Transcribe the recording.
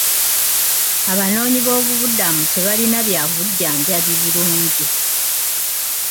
Abanoonyiboobubudamu tebalina bya bujjanjabi birungi.